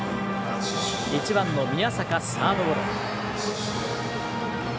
１番の宮坂、サードゴロ。